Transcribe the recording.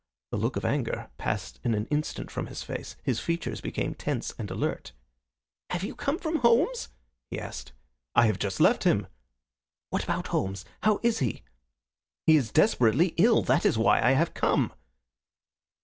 The look of anger passed in an instant from his face. His features became tense and alert. "Have you come from Holmes?" he asked. "I have just left him." "What about Holmes? How is he?" "He is desperately ill. That is why I have come."